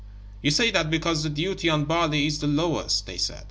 "You say that because the duty on barley is the lowest," they said.